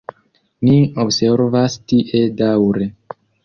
Ni observas tie daŭre.